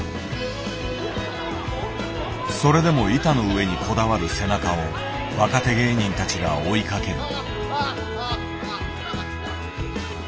それでも板の上にこだわる背中を若手芸人たちが追いかける。